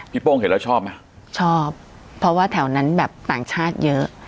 โป้งเห็นแล้วชอบไหมชอบเพราะว่าแถวนั้นแบบต่างชาติเยอะ